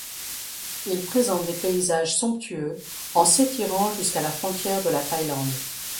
Il présente des paysages somptueux en s'étirant jusqu'à la frontière de la Thaïlande.